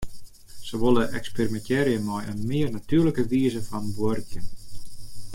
Se wolle eksperimintearje mei in mear natuerlike wize fan buorkjen.